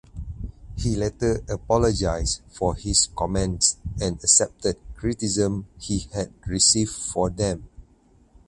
He later apologised for his comments and accepted criticism he had received for them.